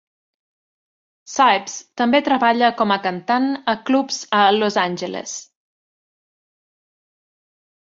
Cipes també treballa com a cantant a clubs a Los Angeles.